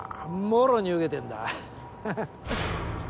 もろに受けてんだハハッ。